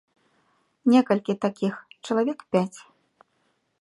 Некалькі такіх, чалавек пяць.